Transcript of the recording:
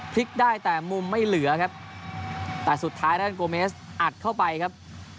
พลิกได้แต่มุมไม่เหลือครับแต่สุดท้ายด้านโกเมสอัดเข้าไปครับ